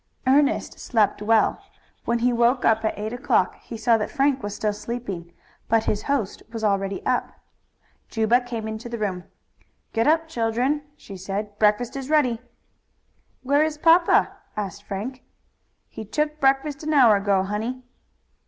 Ernest slept well. When he woke up at eight o'clock he saw that Frank was still sleeping, but his host was already up. Juba came into the room. "Get up, children," she said. "Breakfast is ready." "Where is papa?" asked Frank. "He took breakfast an hour ago, honey."